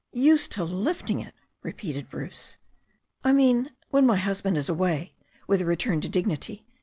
"Used to lifting it!" repeated Bruce. "I mean, when my husband is away," with a return to dignity.